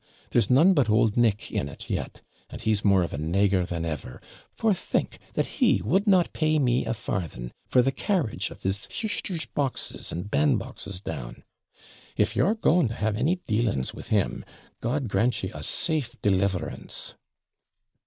There's none but old Nick in it yet; and he's more of a NEGER than ever; for think, that he would not pay me a farthing for the carriage of his SHISTER'S boxes and bandboxes down. If you're going to have any dealings with him, God grant ye a safe deliverance!'